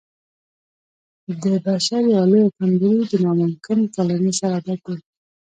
د بشر يوه لويه کمزوري د ناممکن کلمې سره عادت دی.